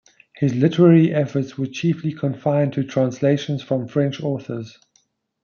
His literary efforts were chiefly confined to translations from French authors.